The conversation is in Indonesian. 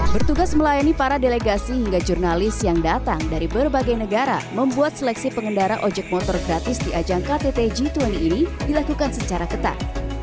bertugas melayani para delegasi hingga jurnalis yang datang dari berbagai negara membuat seleksi pengendara ojek motor gratis di ajang ktt g dua puluh ini dilakukan secara ketat